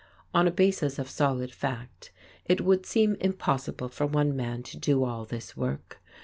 On a basis of solid fact, it would seem impossible for one man to do all this work.